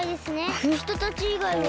あのひとたちいがいは。